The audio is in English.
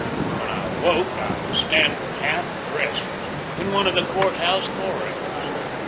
When I awoke I was standing half dressed in one of the court house corridors.